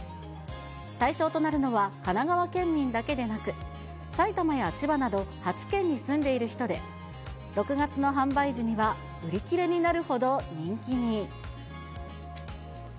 対象となるのは、神奈川県民だけでなく、埼玉や千葉など、８県に住んでいる人で、６月の販売時には売り切れになるほど人気に。